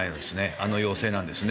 あの陽性なんですね。